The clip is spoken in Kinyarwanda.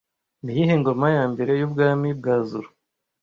Niyihe ngoma ya mbere yubwami bwa zulu